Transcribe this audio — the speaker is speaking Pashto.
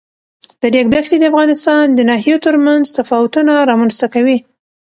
د ریګ دښتې د افغانستان د ناحیو ترمنځ تفاوتونه رامنځ ته کوي.